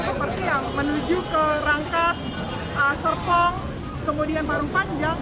seperti yang menuju ke rangkas serpong kemudian baru panjang